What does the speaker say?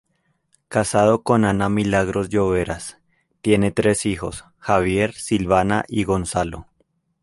Casado con Ana Milagros Lloveras, tiene tres hijos: Javier, Silvana y Gonzalo.